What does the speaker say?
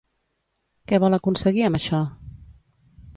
Què vol aconseguir amb això?